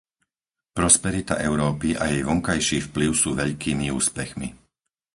Prosperita Európy a jej vonkajší vplyv sú veľkými úspechmi.